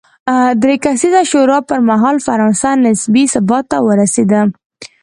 درې کسیزې شورا پر مهال فرانسه نسبي ثبات ته ورسېده.